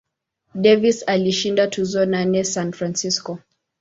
Davis alishinda tuzo nane San Francisco.